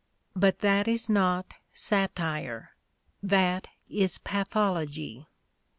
But that is not satire: that is pathology.